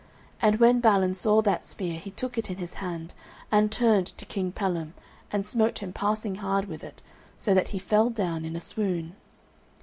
And when Balin saw that spear he took it in his hand, and turned to King Pellam and smote him passing hard with it so that he fell down in a swoon.